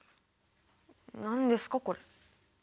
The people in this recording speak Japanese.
何ですかこれ？